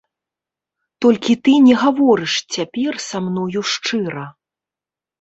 Толькі ты не гаворыш цяпер са мною шчыра.